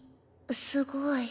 すごい。